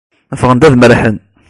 Ffɣen ad merrḥen.